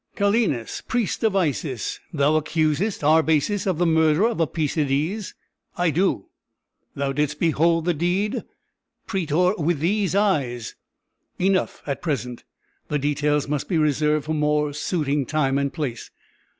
"Calenus, priest of Isis, thou accusest Arbaces of the murder of Apæcides?" "I do!" "Thou didst behold the deed?" "Prætor with these eyes " "Enough at present the details must be reserved for more suiting time and place.